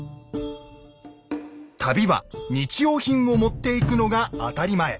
旅は日用品を持っていくのが当たり前。